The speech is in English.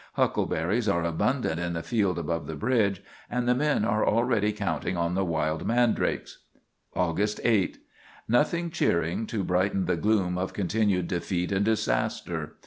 Huckleberries are abundant in the field above the bridge, and the men are already counting on the wild mandrakes. "August 8. Nothing cheering to brighten the gloom of continued defeat and disaster.